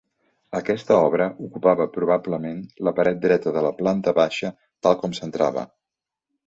Aquesta obra ocupava probablement la paret dreta de la planta baixa tal com s'entrava.